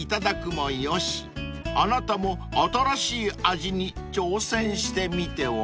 ［あなたも新しい味に挑戦してみては？］